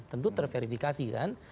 tentu terverifikasi kan